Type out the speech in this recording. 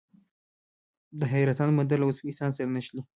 د حیرتان بندر له ازبکستان سره نښلي